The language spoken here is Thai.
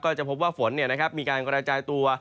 จะพบว่าฝนมีการกระจายตัว